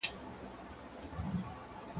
زه هره ورځ ليکنه کوم!.